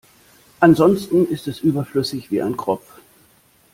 Ansonsten ist es überflüssig wie ein Kropf.